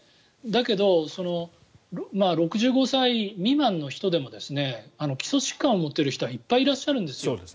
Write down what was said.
だけど、６５歳未満の人でも基礎疾患を持っている人はいっぱいいらっしゃるんですよ。